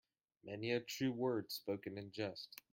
Many a true word spoken in jest.